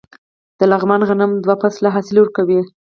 د لغمان غنم دوه فصله حاصل ورکوي.